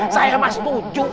saya emang setuju